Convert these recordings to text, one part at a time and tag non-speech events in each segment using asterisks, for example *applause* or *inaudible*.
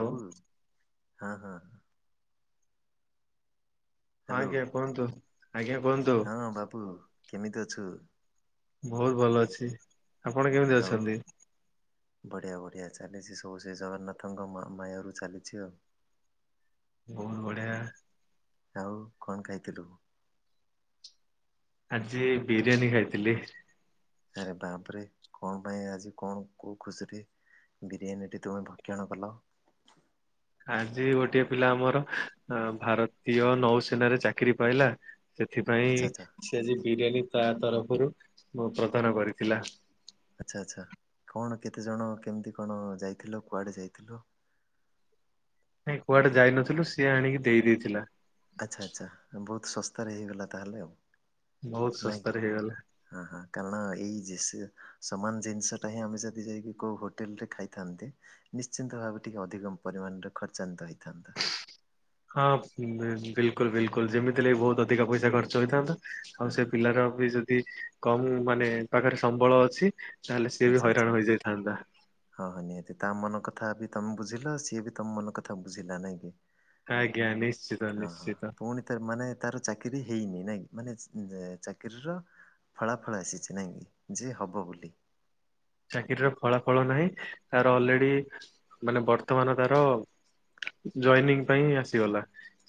ହଉ ହଁ ହଁ! ହ୍ୟାଲୋ ଆଜ୍ଞା କୁହନ୍ତୁ ଆଜ୍ଞା କୁହନ୍ତୁ। ହଁ ବାବୁ କେମିତି ଅଛୁ? ବହୁତ ଭଲ ଅଛି। ଆପଣ କେମିତି ଅଛନ୍ତି? ବଢ଼ିଆ ବଢ଼ିଆ ଚାଲିଛି ସବୁସେଇ ଜଗନ୍ନାଥଙ୍କ ମହା ମାୟାରୁ ଚାଲିଛି ଆଉ। ବହୁତ ବଢ଼ିଆ। ଆଉ କଣ ଖାଇଥିଲୁ? ଆଜି ବିରିୟାନୀ ଖାଇଥିଲି। ଆରେ ବାପରେ କଣ ପାଇଁ ଆଜି କଣ କୋଉ ଖୁସିରେ? ବିରିୟାନୀଟି ତୁମେ ଭକ୍ଷଣ କଲ। ଆଜି ଗୋଟିଏ ପିଲା ଆମର ଭାରତୀୟ ନୌସେନାରେ ଚାକିରି ପାଇଲା ସେଥିପାଇଁ ଆଚ୍ଛା ଆଚ୍ଛା ସେ ଆଜି ବିରିୟାନୀ ତା ତରଫରୁ ପ୍ରଦାନ କରିଥିଲା। ଆଚ୍ଛା ଆଚ୍ଛା କଣ କେତେଜଣ କେମିତି କଣ ଯାଇଥିଲ କୁଆଡ଼େ ଯାଇଥିଲ? ନାଇଁ କୁଆଡେ ଯାଇନଥିଲୁ ସିଏ ଆଣିକି ଦେଇ ଦେଇଥିଲା। ଆଚ୍ଛା ଆଚ୍ଛା ବହୁତ ଶସ୍ତାରେ ହେଇଗଲା ତାହେଲେ ଆଉ। ବହୁତ ନାଇଁ କି? ଶସ୍ତାରେ ହେଇଗଲା। ହଁ ହଁ କାରଣ ଏଇ ଯେ ସେ ନ? ସମାନ ଜିନିଷ ଟା ହିଁ ଆମେ ଯଦି ଯାଇକି କୋଉ ହୋଟେଲ ରେ ଖାଇଥାନ୍ତେ। ନିଶ୍ଚିନ୍ତ ଭାବେ ଟିକେ ଅଧିକ ପରିମାଣରେ ଖର୍ଚ୍ଚାନ୍ତ ହେଇଥାନ୍ତା। ହଁ ବିଲକୁଲ ବିଲକୁଲ ଯେମିତି ଲାଗି ବହୁତ ଅଧିକା ପଇସା ଖର୍ଚ୍ଚ ହେଇଥାନ୍ତା। ହଁ ଆଉ ସେ ହଁ ପିଲାର ବି ଯଦି କମ ମାନେ ପାଖରେ ସମ୍ବଳ ଅଛି। ତାହେଲେ ସିଏ ଆଚ୍ଛା ବି ଆଚ୍ଛା। ହଇରାଣ ହେଇଯାଇଥାନ୍ତା। ହଁ ହଁ ନିହାତି ତା ମନ କଥା ବି ତମେ ବୁଝିଲ ସିଏ ବି ତମ ମନ କଥା ବୁଝିଲା ନାଇଁ କି। ଆଜ୍ଞା ନିଶ୍ଚିତ ହଁ ହଁ ନିଶ୍ଚିତ ପୁଣି ମାନେ ତାର ଚାକିରି ହେଇନି ନାଇଁ ମାନେ ଚାକିରୀର ଫଳାଫଳ ଆସିଛି ନାଇଁ କି ଯେ ହେବ ବୋଲି। ଚାକିରୀର ଫଳାଫଳ ନାହିଁ ତାର ଅଲରେଡି ମାନେ ବର୍ତ୍ତମାନ ତାର ଜଏନିଂ ପାଇଁ ଆସିଗଲା।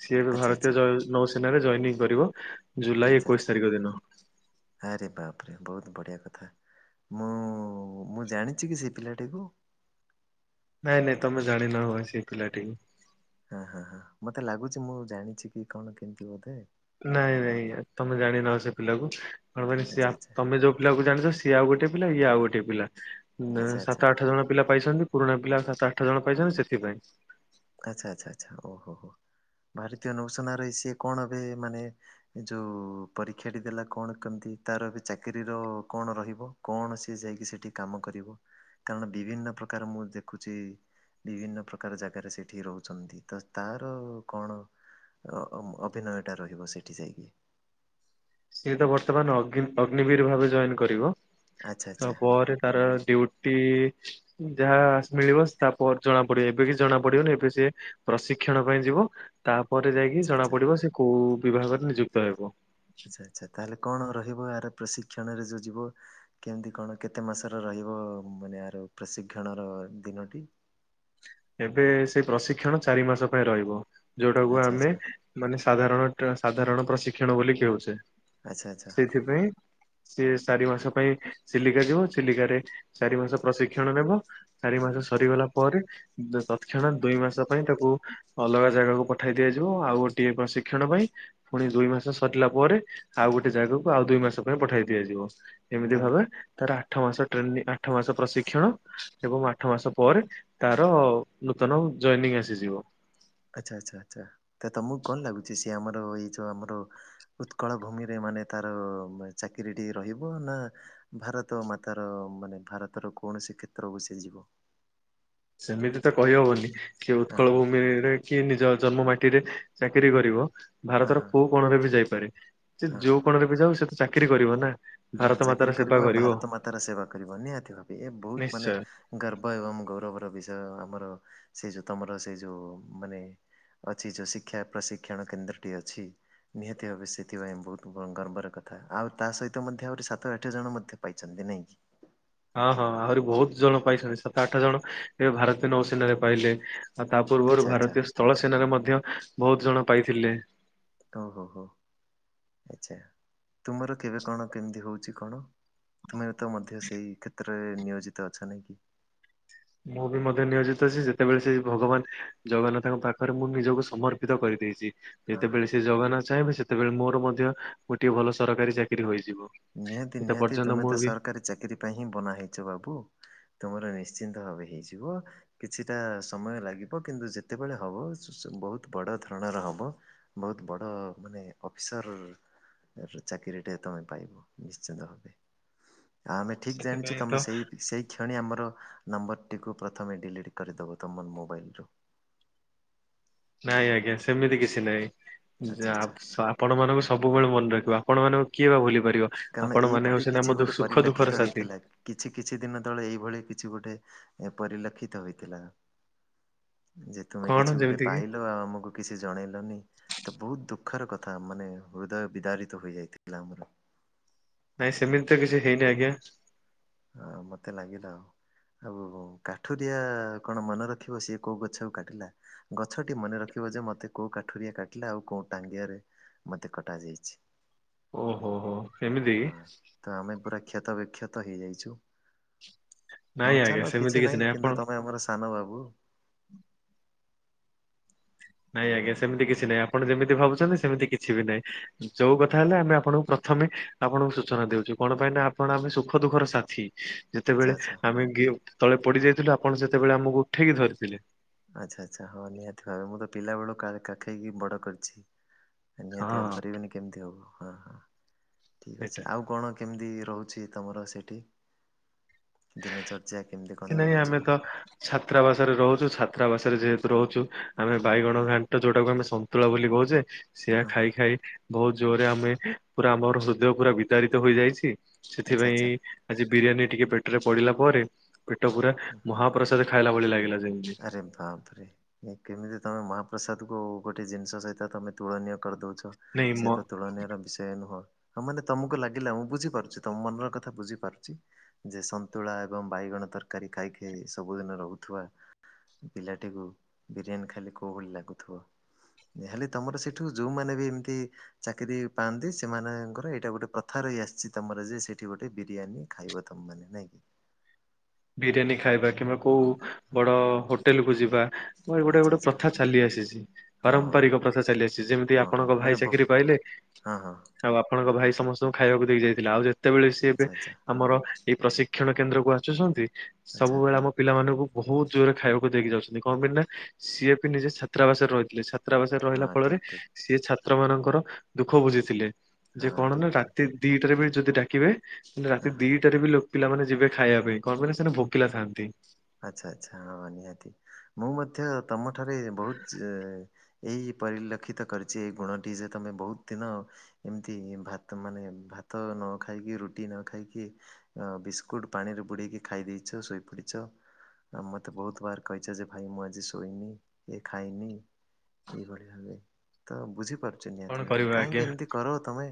ସିଏବେ ଆଚ୍ଛା ଆଚ୍ଛା ଭାରତୀୟ ନୌସେନାରେ ଜଏନିଂ କରିବ ଜୁଲାଇ ଆଚ୍ଛା ଆଚ୍ଛା। ଏକୋଇଶ ତାରିଖ ଦିନ। ଆରେ ବାପରେ ବହୁତ ବଢ଼ିଆ କଥା। ମୁଁ ମୁଁ ଜାଣିଛି କି ସେ ପିଲାଟିକୁ? ନାଇଁ ନାଇଁ ତମେ ଜାଣିନ ହ ସେ ପିଲାଟି। ହଁ ହଁ ହଁ ମତେ ଲାଗୁଛି ମୁଁ ଜାଣିଛି କି କଣ କେମିତି ବୋଧେ। ନାଇଁ ନାଇଁ ତମେ ଜାଣିନ ସେ ପିଲାକୁ କଣ ମାନ ଆଚ୍ଛା ତମେ ଯୋଉ ପିଲା କ ଜାଣିଛ ସିଏ ଆଉ ଗୋଟେ ପିଲା ଇଏ ଆଉ ଗୋଟେ ପିଲା ଆଚ୍ଛା। ଆଚ୍ଛା ଆଚ୍ଛା ସାତ ଆଠ ଜଣ ପିଲା ପାଇଛନ୍ତି। ପୁରୁଣା ପିଲା ସାତ ଆଠ ଜଣ ପାଇଛନ୍ତି ସେଥିପାଇଁ। ଆଚ୍ଛା ଆଚ୍ଛା ଆଚ୍ଛା ଓହୋହୋ ଭାରତୀୟ ନୌସେନର ରହି ସିଏ କଣ ଏବେ ମାନେ ଏ ଯେଉଁ ପରୀକ୍ଷାଟି ଦେଲା କଣ କେମିତି ତାର ଏବେ ଚାକିରିୀର କଣ ରହିବ? କୌଣସି ଯାଇକି ସେଇଠି କାମ କରିବ? କାରଣ ବିଭିନ୍ନ ପ୍ରକାର ମୁଁ ଦେଖୁଛି ବିଭିନ୍ନ ପ୍ରକାର ଜାଗାରେ ସେ ସେଠି ରହୁଛନ୍ତି ତ ତାର କଣ ଅଭିନୟ ଟା ରହିବ ସେଇଠି ଯାଇକି? ସିଏ ତ ବର୍ତ୍ତମାନ ଅଗ୍ନିବୀର ଭାବେ ଜଏନ କରିବ ଆଚ୍ଛା ତା ଆଚ୍ଛା ପରେ ତାର ଡ୍ୟୁଟି ଯାହାସ୍ ମିଳିବ ସ ତାପରେ ଜଣା ପଡିବ ଏବେ କିଛି ଜଣା ପଡିବନି ଏବେ ସେ ପ୍ରଶିକ୍ଷଣ ପାଇଁ ଯିବ ତାପରେ ଯାଇକି ଆଚ୍ଛା ଜଣା ଆଚ୍ଛା ପଡିବ ସେ କୋଉ ବିଭାଗରେ ନିଯୁକ୍ତ ହେବ। ଆଚ୍ଛା ଆଚ୍ଛା ତାହେଲେ କଣ ରହିବ ଏହାର ପ୍ରଶିକ୍ଷଣରେ ଯୋଉ ଯିବ କେମତି କଣ କେତେ ମାସର ରହିବ ମାନେ ଆର ପ୍ରଶିକ୍ଷଣ ର ଦିନଟି? ଏବେ ସେଇ ପ୍ରଶିକ୍ଷଣ ଚାରି ମାସ ପାଇଁ ରହିବ ଯୋଉଟାକୁ ଆଚ୍ଛା ଆମେ ଆଚ୍ଛା ମାନେ ସାଧାରଣ ଟ୍ର ସାଧାରଣ ପ୍ରଶିକ୍ଷଣ ବୋଲି କଉଛେ ଆଚ୍ଛା ଆଚ୍ଛା ସେଥିପାଇଁ ସିଏ ଚାରି ମାସ ପାଇଁ ଚିଲିକା ଯିବ ଚିଲିକାରେ ଚାରି ମାସ ପ୍ରଶିକ୍ଷଣ ନେବ। ଚାରି ମାସ ସରିଗଲା ପରେ ଦ ତତକ୍ଷଣାତ୍ ଦୁଇ ମାସ ପାଇଁ ତାକୁ ଅଲଗା ଜାଗାକୁ ପଠାଇ ଦିଆଯିବ ଆଉ ଗୋଟିଏ ପ୍ରଶିକ୍ଷଣ ପାଇଁ। ପୁଣି ଦୁଇ ମାସ ସରିଲା ପରେ ଆଉ ଗୋଟେ ଜାଗାକୁ ଆଉ ଦୁଇ ମାସ ପାଇଁ ପଠାଇ ଦିଆଯିବ। ଏମିତି ଭାବେ ତାହେଲେ ତାର ଆଠ ମାସ ଟ୍ରେନିଂ ଆଠ ମାସ ପ୍ରଶିକ୍ଷଣ ଏବଂ ଆଠ ମାସ ପରେ ର ନୂତନ ଜଏନିଂ ଆସିଯିବ। ଆଚ୍ଛା ଆଚ୍ଛା ଆଚ୍ଛା ତ ତମକୁ କଣ ଲାଗୁଚି ସିଏ ଆମର ଏଇ ଯୋଉ ଆମର ଉତ୍କଳ ଭୂମିରେ ମାନେ ତାର ମା ଚାକିରିଟିଏ ରହିବ ନା ଭାରତମାତାର ମାନେ ଭାରତର କୌଣସି କ୍ଷେତ୍ରକୁ ସିଏ ଯିବ। ସେମିତି ତ କହି ହବନି କିଏ ହଁ ଉତ୍କଳ ହଁ ଭୂମିରେ କିଏ ନିଜ ଜନ୍ମମାଟିରେ ଚାକିରି କରିବ। ହଁ ଭାରତର ହଁ କୋଉ କୋଣରେ ବି ଯାଇପାରେ ସେ ହଁ ହଁ। ଯୋଉ କୋଣରେ ବି ଯାଉ ସେ ତ ଚାକିରି କରିବ ନା। ହଁ ଭାରତ ମାତାର ଚାକିରି ସେବା କରିବ ଭାରତମାତାର ସେବା କରିବ ନିହାତି ଭାବେ ଏ ବୋହୁତ ମାନେ ନିଶ୍ଚୟ। ଗର୍ବ ଏବଂ ଗୌରବର ବିଷୟ ଆମର ସେ ଯୋଉ ତମର ସେ ଯୋଉ ମାନେ ଅଛି ଯୋଉ ଶିକ୍ଷା ପ୍ରଶିକ୍ଷଣ କେନ୍ଦ୍ରଟି ଅଛି। ନିହାତି ଭାବେ ସେଥିପାଇଁ ବୋହୁତ ବ ଗର୍ବର କଥା ଆଉ ତା ସହି ତ ମଧ୍ୟ ଆଉରି ସାତ ଆଠ ଜଣ ମଧ୍ୟ ପାଇଛନ୍ତି ନାଇଁ କିି? ହଁ ହଁ ଆହୁରି ବୋହୁତ ଜଣ ପାଇଛନ୍ତି ସାତ ଆଠ ଜଣ ଏ ଭାରତୀୟ ନୌସେନାରେ ପାଇଲେ। ଆଉ ତା ପୂର୍ବରୁ ଆଚ୍ଛା ଆଚ୍ଛା ଭାରତୀୟ ସ୍ଥଳ ସେନାରେ ମଧ୍ୟ ବୋହୁତ ଜଣ ପାଇଥିଲେ। ଓହୋ ହୋ ଆଚ୍ଛା ତୁମର କେବେ କଣ କେମିତି ହଉଚି କଣ? ତୁମେ ତ ମଧ୍ୟ ସେଇ କ୍ଷେତ୍ରରେ ନିୟୋଜିତ ଅଛ ନାଇଁ କି? ମୁଁ ବି ମଧ୍ୟ ନିୟୋଜିତ ଅଛି ଯେତେବେଳେ ସେଇ ଭଗବାନ ଜଗନ୍ନାଥଙ୍କ ପାଖରେ ମୁଁ ନିଜକୁ ସମର୍ପିତ କରିଦେଇଚି। ହଁ ହଁ। ଯେତେବେଳେ ସେ ଜଗନ୍ନାଥ ଚାହିଁବେ ସେତେବେଳେ ମୋର ମଧ୍ୟ ଗୋଟିଏ ଭଲ ସରକାରୀ ଚାକିରି ହୋଇଯିବ। ନିହାତି ସେତେ ନିହାତି ପର୍ଯ୍ୟନ୍ତ ତୁମେ ମୁଁ ତ ବି ସରକାରୀ ଚାକିରି ପାଇଁ ହିଁ ବନା ହେଇଚ ବାବୁ। ତୁମର ନିଶ୍ଚିନ୍ତ ଭାବେ ହେଇଯିବ। କିଛିଟା ସମୟ ଲାଗିବ କିନ୍ତୁ ଯେତେବେଳେ ହବ ସୁ ସୁ ବୋହୁତ ବଡ ଧରଣର ହବ। ବୋହୁତ ବଡ ମାନେ ଅଫିସର୍ ର ଚାକିରିଟେ ତମେ ପାଇବ। ନିଶ୍ଚିନ୍ତ ଭାବେ ଆଉ ଆମେ ଠିକ୍ ଜାଣିଚୁ ଏଥିପାଇଁ ତମେ ତ ସେଇ ସେଇ କ୍ଷଣି ଆମର ନମ୍ବରଟିକୁ ପ୍ରଥମେ ଡିଲିଟି କରିଦବ ତମନ୍ ମୋବାଇଲରୁ। ନାଇଁ ଆଜ୍ଞା ସେମିତି କିଛି ନାଇଁ ଆଚ୍ଛା ଆଚ୍ଛା ଜାପ୍ ସାପ୍ ଆପଣମାନଙ୍କୁ ସବୁବେଳେ ମନେ ରଖିବୁ ଆପଣମାନଙ୍କୁ କିଏ ବା ଭୁଲି ପାରିବ। କାରଣ ଆପଣ ମାନେ ଏଇଭଳି ହଉଛନ୍ତି ଆମ କିଛି ଗୋଟେ ସୁଖ ଦୁଃଖର ପରିଲକ୍ଷିତ ସାଥି ହେଇଥିଲା। କିଛି କିଛି ଦିନ ତଳେ ଏଇଭଳି କିଛି ଗୋଟେ ଏଁ ପରିଲକ୍ଷିତ ହୋଇଥିଲା। ଯେ ତୁମେ କଣ କିଛି ଗୋଟେ ଯେମିତି କିି ପାଇଲ ଆଉ ଆମୁକୁ କିଛି ଜଣେଇଲନି ତ ବୋହୁତ ଦୁଃଖର କଥା ମାନେ ହୃଦୟ ବିଦାରିତ ହୋଇଯାଇଥିଲା ଆମର। ନାଇଁ ସେମିତି ତ କିଛି ହେଇନି ଆଜ୍ଞା। ଆ ମତେ ଲାଗିଲା ଆଉ। ଆଉ କାଠୁରିଆ କଣ ମନ ରଖିବ ସିଏ କୋଉ ଗଛକୁ କାଟିଲା। ଗଛଟି ମନେ ରଖିବ ଯେ ମତେ କୋଉ କାଠୁରିଆ କାଟିଲା ଆଉ କୋଉ ଟାଙ୍ଗିଆରେ ମତେ କଟା ଯେଇଛି। ଓହୋ ହୋ ଏମିତି କି? ତ ଆମେ ପୁରା କ୍ଷତ ବିକ୍ଷତ ହେଇଯାଇଚୁ। ନାଇଁ ହଉ ଆଜ୍ଞା ଚାଲ ସେମିତି କିଛି ନାହିଁ ନାଇଁ ଆପଣ କିନ୍ତୁ ତମେ ଆମର ସାନବାବୁ। ନାଇଁ ହଁ ଆଜ୍ଞା ସେମିତି କିଛି ନାଇଁ ଆପଣ ଯେମିତି ଭାବୁଚନ୍ତି ସେମିତି କିଛି ବି ନାଇଁ। ଯୋଉ କଥା ହେଲେ ଆମେ ଆପଣଙ୍କୁ ପ୍ରଥମେ ଆପଣଙ୍କୁ ସୂଚନା ଦେଉଚୁ କଣ ପାଇଁ ନା ଆପଣ ଆମେ ସୁଖ ଦୁଃଖର ସାଥି। ଆଚ୍ଛା ଯେତେବେଳେ ଆଚ୍ଛା ଆମେ ଗେ ଟେ ତଳେ ପଡି ଯାଇଥିଲୁ ଆପଣ ସେତେବେଳେ ଆମକୁ ଉଠେଇକି ଧରିଥିଲେ। ଆଚ୍ଛା ଆଚ୍ଛା ହଁ ନିହାତି ଭାବେ ମୁଁ ତ ପିଲାବେଳୁ କା କାଖେଇକି ବଡ କରିଚି। ହେ ନିହାତି ଆଉ ହଁ ଧରିବେନି କେମିତି ହବ ହଁ ହଁ ଠିକ୍ ସେଇଟା ଅଛି ଆଉ କଣ କେମିତି ରହୁଚି ତମର ସେଠି ଦିନଚର୍ଯ୍ୟା କେମିତି କିଛି କଣ ନାହିଁ ଆମେ ରହୁଚି। ତ ଛାତ୍ରାବାସରେ ରହୁଚୁ ଛାତ୍ରାବାସରେ ଯେହେତୁ ରହୁଚୁ ଆମେ ହଁ ବାଇଗଣ ଘାଣ୍ଟ ଯୋଉଟାକୁ ଆମେ ସନ୍ତୁଳା ବୋଲି କହୁଚେ ସେୟା ହଁ ଖାଇ ଖାଇ ବୋହୁତ ଜୋରେ ଆମେ ପୁରା ଆମର ହୃଦୟ ପୁରା ବିଦାରିତ ହୋଇଯାଇଛି ଆଚ୍ଛା ଆଚ୍ଛା ସେଥିପାଇଁ ଆଜି ବିରିୟାନୀ ଟିକେ ପେଟେରେ ପଡିଲା ପରେ ପେଟ ପୁରା ମହାପ୍ରସାଦ ଖାଇଲା ଭଳି ଲାଗିଲା ଯେମତି। ଯଧାର୍ଥରେ। ଇଏ କେମିତି ତମେ ମହାପ୍ରସାଦକୁ ଗୋଟେ ଜିନିଷ ସହିତ ତମେ ତୁଳନୀୟ କରିଦଉଚ। ନାଇଁ ମ ସେ ତ ତୁଳନୀୟାର ବିଷୟ ନୁହଁ। ହଁ ମାନେ ତମକୁ ଲାଗିଲା ମୁଁ ବୁଝିପାରୁଚି ତମ ମନର କଥା ବୁଝିପାରୁଚି। ଯେ ସନ୍ତୁଳା ଏବଂ ବାଇଗଣ ତରକାରୀ ଖାଇ ଖାଇ ସବୁଦିନ ରହୁଥିବା। ପିଲାଟିକୁୁ ବିରିୟାନୀ ଖାଲି କୋଉ ଭଳି ଲାଗୁଥିବ। ଯାହେଲେ ତମର ସେଇଠୁ ଯୋଉମାନେ ବି ଏମିତି ଚାକିରି ପାଆନ୍ତି ସେମାନେ ଙ୍କର ଏଇଟା ଗୋଟେ ପ୍ରଥା ରହିଆସିଛି ତମର ଯେ ସେଇଠି ଗୋଟେ ବିରିୟାନୀ ଖାଇବ ତମ ମାନେ ନାଇଁ କି? ବିରିୟାନୀ ଖାଇବା କିମ୍ବା କୋଉ ବଡ଼ ହୋଟେଲକୁୁ ଯିବା ମ ଏ ଗୁଟେ ଆଚ୍ଛା ଗୋଟେ ଆଚ୍ଛା ପ୍ରଥା ଚାଲି ଆସିଚି। ହଁ ହଁ ପାରମ୍ପରିକ ପ୍ରଥା ଚାଲିଆସିଛି ଯେମିତି ହଁ ହଁ ଆପଣଙ୍କ ମାନେ ଭାଇ ବହୁ ଚାକିରି ବହୁ ପାଇଲେ ହଁ ହଁ ଆଉ ଆପଣଙ୍କ ଭାଇ ସମସ୍ତଙ୍କୁ ଖାଇବାକୁ ଦେଇ କି ଯାଇଥିଲା ଆଉ ଯେ ତେବେଳେ ସିଏ ଏବେ ଆଚ୍ଛା ଆଚ୍ଛା ଆମର ଏଇ ପ୍ରଶିକ୍ଷଣ କେନ୍ଦ୍ରକୁ ଆସୁଛନ୍ତି ଆଚ୍ଛା ସବୁବେଳେ ଆମ ପିଲାମାନଙ୍କୁ ବହୁତ ଜୋରେ ଖାଇବାକୁ ଦେଇକି ଯାଉଛନ୍ତି କଣ ପାଇଁ ନା ସିଏ ବି ନିଜେ ଛାତ୍ରାବାସରେ ରହିଥିଲେ ଛା ଛାତ୍ରାବାସରେ ହଁ ରହିଲା ଫଳରେ ଠିକ୍ ଠିକ୍ ସିଏ ଛାତ୍ର ମାନଙ୍କର ଦୁଃଖ ବୁଝିଥିଲେ ଯେ ହଁ କଣ ନା ଠିକ୍ ଠିକ୍ ରାତି ଦିଟାରେ ବି ଯଦି ଡାକିବେ ହଁ ରାତି ହଁ। ଦିଟାରେ ବି ଲୋ ପିଲାମାନେେ ଯିବେ ଖାଇବା ପାଇଁ। କଣ ପାଇଁ ନା ସେନେ ଭୋକିଲା ଥାଆନ୍ତି। ଆଚ୍ଛା ଆଚ୍ଛା ହଁ ନିହାତି ମୁଁ ମଧ୍ୟ ତମଠାରେ ବହୁତ ଚେଁ ଏଇ ପରିଲକ୍ଷିତ କରିଛି ଏ ଗୁଣଟି ଯେ ତମେ ବହୁତ ଦିନ ଏମିତି ଭାତ ମାନେ ଭାତ ନ ଖାଇକି ରୁଟି ନ ଖାଇକି ଅ ବିସ୍କୁଟ ପାଣିରେ ବୁଡ଼େଇକି ଖାଇ ଦେଇଚ ଶୋଇପଡ଼ଚ। ଆଉ ମତେ ବହୁତ ବାର କହିଚ ଯେ ଭାଇ ମୁଁ ଆଜି ଶୋଇନି ଏ ଖାଇନି। ଏଇଭଳି ଭାବେ ତ ବୁଝିପାରୁଚି କଣ ନିହାତି ଭାବେ କରିବା ଆଜ୍ଞା କାହିଁକି ଏମିତି କର ତମେ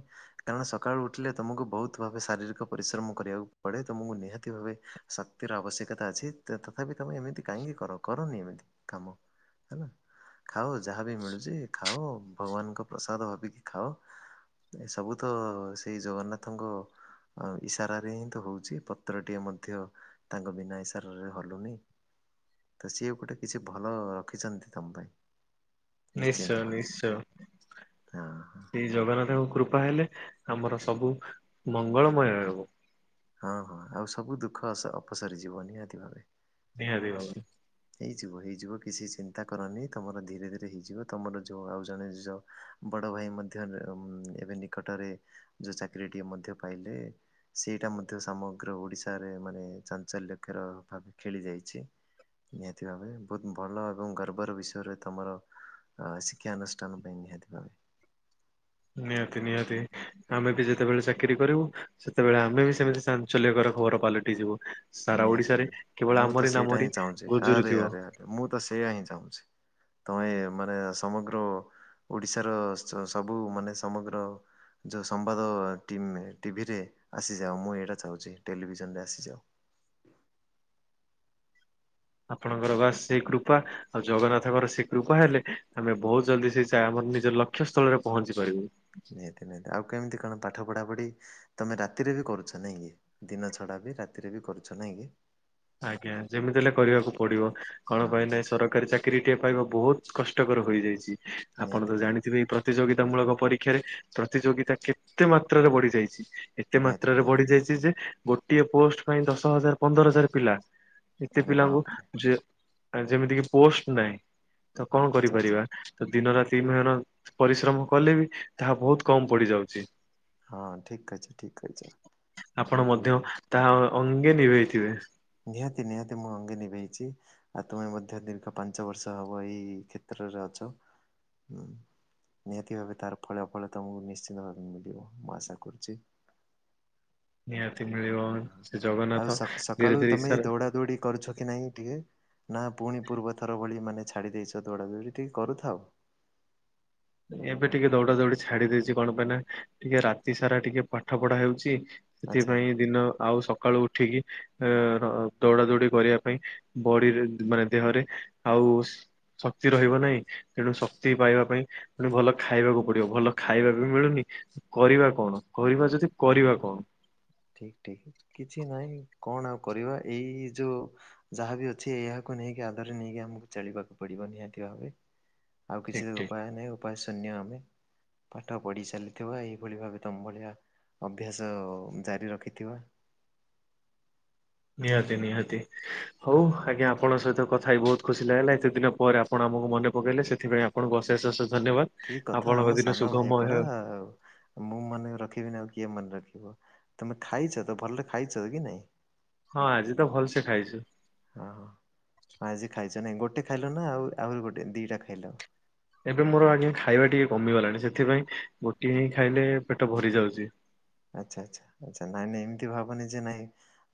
କାରଣ ସକାଳୁ ଉଠିଲେ ତମକୁ ବହୁତ ଭାବେ ଶାରୀରିକ ପରିଶ୍ରମ କରିବାକୁ ପଡେ ତମକୁ ନିହାତି ଭାବେ ଶକ୍ତିର ଆବଶ୍ୟକତା ଅଛି। ତେ ତଥାପି ତମେ ଏମିତି କାହିଁକି କର କରନି ଏମିତି କାମ ହେଲା। ଖାାଉ ଯାହାବି ମିଳୁଛି ଖାାଅ ଭଗବାନଙ୍କ ପ୍ରସାଦ ଭାବିକି ଖାଅ। ଏ ସବୁ ତ ସେଇ ଜଗନ୍ନାଥଙ୍କ ଅ ଇସାରାରେ ହିଁ ତ ହଉଛି ପତ୍ରଟିଏ ମଧ୍ୟ ତାଙ୍କ ବିନା ଇସାରା ରରେ ହଲୁନି ତ ସିଏ ଗୋଟେ କିଛି ଭଲ ରଖିଛନ୍ତି ତମ ପାଇଁ। ନିଶ୍ଚୟ ନିଶ୍ଚିନ୍ତ ଭମେ ନିଶ୍ଚୟ ନାଁ ନାଁ ଶ୍ରୀ ଜଗନ୍ନାଥଙ୍କ କୃପା ହେଲେ ଆମର ସବୁ ମଙ୍ଗଳମୟ ହେବ। ହଁ ହଁ ଆଉ ସବୁ ଦୁଃଖ ଅପସରିଯିବ ନିହାତି ଭାବେ ନିିହାତି ଭାବରେ ହେଇଯିବ ହେଇଯିବ କିଛି ଚିନ୍ତା କରନି ତମର ଧୀରେ ଧୀରେ ହେଇଯିବ ତମର ଯୋଉ ଆଉ ଜଣେ ବଡ ଭାଇ ମଧ୍ୟ ଏବେ ନିକଟରେ ଯୋଉ ଚାକିରିଟିଏ ମଧ୍ୟ ପାଇଲେ। ସେଇଟା ମଧ୍ୟ ସମଗ୍ର ଓଡ଼ିଶାରେ ମାନେ ଚାଞ୍ଚଲ୍ୟକର ଭାବେ ଖେଳିଯାଇଛି। ନିହାତି ଭାବେ ବହୁତ ଭଲ ଏବଂ ଗର୍ବର ବିଷୟରେ ତମର। ଅ ଶିକ୍ଷାାନୁଷ୍ଠାନ ପାଇଁ ନିହାତି ଭାବେ। ନିହାତି ନିହାତି ହୁଁ। ଆମେ ବି ଯେତେବେଳେ ଚାକିରୀ କରିବୁ ସେତେବେଳେ ଆମେ ବି ସେମିତି ସାଞ୍ଚଲ୍ୟିକର ଖବର ପାଲଟି ଯିବୁ। ସାରା ନିହାତି ଓଡିଶାରେ ନିହାତି କେବଳ ମୁଁ ତ ଆମରି ସେଇଟା ହିଁ ନାମରି ଚାହୁଁଛି ଗୁଜୁରୁ ଆରେ ଥିବ। ଆରେ ଆରେ ମୁଁ ତ ସେୟା ହିଁ ଚାହୁଁଛି। ତମେ ମାନେ ସମଗ୍ର ଓଡିଶାର ସବୁ ମାନେ ସମଗ୍ର। ଯେଉଁ ସମ୍ବାଦ ଟିଭିରେ ଆସିଯାଉ ମୁଁ ଏଇଟା ଚାହୁଁଛି ଟେଲିଭିଜନରେ ଆସିଯାଉ। ଆପଣଙ୍କର ବାସ୍ ସେଇ କୃପା। ଆଉ ଜଗନ୍ନାଥଙ୍କର ସେ କୃପା ହେଲେ ଆମେ ବହୁତ ଜଲଦି ସେ ଆମର ନିଜ ଲକ୍ଷ୍ୟ ସ୍ଥଳରେ ପହଞ୍ଚି ପାରିବୁ। ନିହାତି ନିହାତି ଆଉ କେମିତି କଣ ପାଠ ପଢ଼ାପଢ଼ି ତମେ ରାତିରେ ବି କରୁଛ ନାଇଁ କି ଦିନ ଛଡା ବି ରାତିରେ ବି କରୁଛ ନାଇଁ କି ଆଜ୍ଞା ଯେମିତି ହେଲେ କରିବାକୁ ପଡିବ କଣ ହଁ ପାଇଁ ହଁ ନାଇଁ ସରକାରୀ ଚାକିରି। ଚାକିରିଟିଏ ପାଇବା ବହୁତ କଷ୍ଟକର ହୋଇଯାଇଛି ଆପଣ ନିହାତି ତ ନିହାତି ଜାଣିଥିବେ ପ୍ରତିଯୋଗିତା ମୂଳକ ପରୀକ୍ଷାରେ ପ୍ରତିଯୋଗିତା କେତେ ମାତ୍ରାରେ ବଢି ଯାଇଛି। ଏତେ ନିହାତି ମାତ୍ରାରେ ନିହାତି ବଢି ଯାଇଛି ଯେ ଗୋଟିଏ ପୋଷ୍ଟ ପାଇଁ ଦଶ ହଜାର ପନ୍ଦର ହଜାର ପିଲା ଏତେ ଆରେ ବାପରେ ପିଲାଙ୍କୁ ଯେମିତିକ ପୋଷ୍ଟ ନାହିଁ ତ କଣ ଆଚ୍ଛା ଆଚ୍ଛା କରିପାରିବା। ତ ଦିନ ରାତି ମହନ ପରିଶ୍ରମ କଲେ ବି ତାହା ବହୁତ କମ ପଡିଯାଉଛି। ହଁ ଠିକ୍ ଅଛ ଠିକ ଅଛ ଆପଣ କିନ୍ତୁ ମଧ୍ୟ ତାହା ଅଙ୍ଗେ ନିଭେଇଥିବେ। ନିହାତି ନିହାତି ମୁଁ ଅଙ୍ଗେ ନିଭେଇଛି। ଆଉ ତୁମେ ମଧ୍ୟ ଦୀର୍ଘ ପାଞ୍ଚ ବର୍ଷ ହବ ଏଇ କ୍ଷେତ୍ରରେ ଅଛ। ହଁ ନିହାତି ଭାବେ ତାର ଫଳା ଫଳ ତୁମକୁ ନିଶ୍ଚିନ୍ତ ଭାବେ ମିଳିବ ମୁଁ ଆଶା କରୁଛି। ନିହାତି ମିଳିବ। ସେ ଜଗନ୍ନାଥ ଆଉ ଧୀରେ ସକାଳୁ ଧୀରେ ତମେ ଇଶାରା ଦୌଡ଼ା ଦୌଡ଼ି କରୁଛ କି ନାହିଁ ଟିକିଏ ନା ପୁଣି ପୂର୍ବ ଥର ଭଳି ମାନେ ଛାଡ଼ି ଦେଇଛ ଦୌଡ଼ାଦୌଡ଼ି ଟିକେଏ କରୁଥାଅ‌। ଏବେ ଟିକେ ଦୌଡା ଦୌଡି ଛାଡିଦେଇଛି କଣ ପାଇଁ ନା ଟିକେ ରାତି ସାରା ଟିକେ ପାଠ ପଢା ହେଉଛି ଆଚ୍ଛା। ସେଥିପାଇଁ ଦିନ ଆଉ ସକାଳୁ ଉ ଉଠିକି ଦୌଡା ଦୌଡ଼ି କରିବା ପାଇଁ ବଡିରେ ମାନେ ଦେହରେ ଆଉ ଶକ୍ତି ରହିବ ନାହିଁ ତେଣୁ ଶକ୍ତି ପାଇବା ପାଇଁ ମେ ଭଲ ଖାଇବାକୁ ପଡିବ ଭଲ ଖାଇବାକୁ ମିଳୁନି କରିବା କଣ କରିବା ଯଦି ହଁ ହ କରିବା ହ କଣ ଠିକ ଠିକ କିଛି ନହିଁ କଣ ଆଉ କରିବା ଏଇ ଯୋଉ ଯାହାବି ଅଛି ଏହାକୁ ନେଇକି ଆଦରେ ନେଇକି ଆମକୁ ଚଳିବାକୁ ପଡିବ ନିହାତି ଭାବେ। ଆଉ ଠିକ କିଛି ଠିକ ଉପାୟ ନାହିଁ ଆଉ। ଉପାୟ ଶୂନ୍ୟ ଆମେ ପାଠ ପଢ଼ିସାଲିଥିବା ଏହିଇଭଳି ଭାବେ ତମ ଭଳିଆ ଅଭ୍ୟାସ ଜାରି ରଖିଥିବ। ନିହାତି ନିହାତି ହଉ ହଁ ହଁ। ଆଜ୍ଞା ଆପଣଙ୍କ ସହିତ କଥା ହେଇ ବହୁତ୍ ଖୁସି ଲାଗିଲା ଏତେ ଦିନ ପରେ ଆପଣ ଆମକୁ ମନେକଲେ ସେଥିପଁ ଆପଣଙ୍କୁ ଅଶେଷ ଅଶେଷ ଧନ୍ୟବାଦ। କି କଥା ଆପଣଙ୍କ ଆମ ଦିନ ସାନ ଭାଇ ପରା। ସୁଗମୟ ମୁଁ ମନେ ରଖିବିନି ଆଉ କିଏ ମନେ ରଖିବ, ତମେ ଖାଇଚ ତ ଭଲରେ ଖାଇଚ କି ନାଇଁ? ହଁ ଆଜି ତ ଭଲସେ ଖାଇଛି। ହଁ ଆଜି ଖାଇଚ ନାଇଁ, ଗୋଟେ ଖାଇଲ ନା ଆଉ ଆହୁରି ଗୋଟେ ଦିଟା ଖାଇଲ? ଏବେ ମୋର ଆଜ୍ଞା ଖାଇବା ଟିକେ କମିଗଲାଣି, ସେଥିପାଇଁ ଗୋଟିଏ ହିଁ ଖାଇଲେ ପେଟ ଭରି ଯାଉଚି। ଆଚ୍ଛା-ଆଚ୍ଛା-ଆଚ୍ଛା ନାଇଁ-ନାଇଁ ଏମ୍ତି ଭାବନି ଯେ ନାଇଁ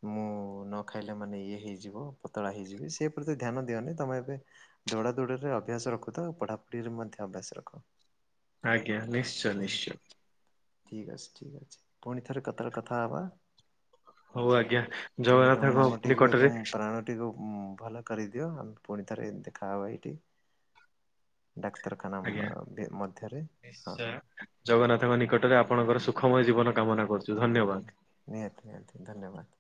ମୁଁ ନ ଖାଇଲେ ମାନେ ଇଏ ହେଇଯିବ ପତଳା ହେଇଯିବି, ସେ ପ୍ରତି ଧ୍ୟାନ ଦିଅନି ତମେ ଏବେ ଦୌଡା ଦୌଡିରେ ଅଭ୍ୟାସ ରଖୁଥାଅ, ଆଉ ପଢାପଢିରେ ମଧ୍ୟ ଅଭ୍ୟାସ ରଖ। ଆଜ୍ଞା, ନିଶ୍ଚୟ-ନିଶ୍ଚୟ। ଠିକ୍ ଅଛି ଠିକ୍ ଅଛି, ପୁଣି ଥରେ *unintelligible* କଥା ହବା? ହଉ ଆଜ୍ଞା ତୁମେ ତମ ଜଗନ୍ନାଥଙ୍କ ମନଟିକୁ ନିକଟରେ ଏକ ପ୍ରାଣ ଟିକୁ ଭଲ କରିଦିଅ ଆମେ ପୁଣି ଥରେ ଦେଖାହବା ଏଇଠି‌ ଡାକ୍ତରଖାନା ଆଜ୍ଞା। ମଧ୍ୟରେ। ହଁ ନିଶ୍ଚୟ ଜଗନ୍ନାଥଙ୍କ ନିକଟରେ ଆପଣଙ୍କର ସୁଖମୟ ଜୀବନ କାମନା କରୁଚୁ, ଧନ୍ୟବାଦ। ନିହାତି-ନିହାତି, ଧନ୍ୟବାଦ୍।